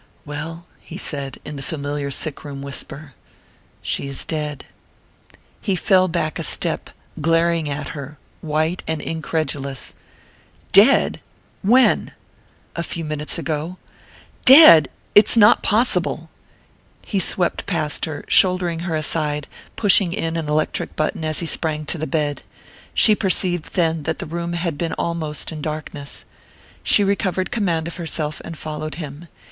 "Well?" he said, in the familiar sick room whisper. "She is dead." He fell back a step, glaring at her, white and incredulous. "Dead? When ?" "A few minutes ago...." "Dead ? It's not possible!" He swept past her, shouldering her aside, pushing in an electric button as he sprang to the bed. She perceived then that the room had been almost in darkness. She recovered command of herself, and followed him.